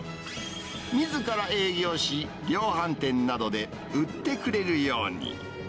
みずから営業し、量販店などで売ってくれるように。